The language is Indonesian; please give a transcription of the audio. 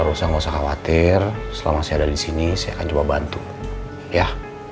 barusan ga usah khawatir selama saya ada disini saya akan coba bantu ya